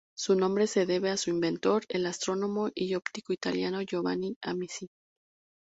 Su nombre se debe a su inventor, el astrónomo y óptico italiano Giovanni Amici.